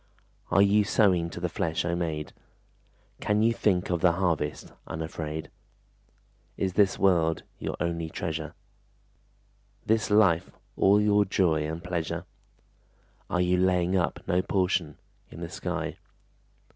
Are you sowing to the flesh, O maid? Can you think of the harvest unafraid? Is this world your only treasure? This life all your joy and pleasure? Are you laying up no portion In the sky?